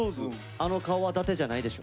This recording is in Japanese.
あの顔はだてじゃないでしょ。